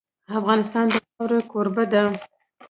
افغانستان د واوره کوربه دی.